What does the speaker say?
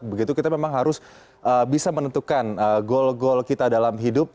begitu kita memang harus bisa menentukan goal gol kita dalam hidup